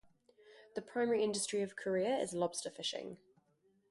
The primary industry of Corea is lobster fishing.